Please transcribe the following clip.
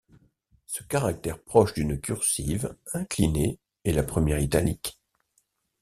Ce caractère proche d’une cursive, incliné, est la première italique.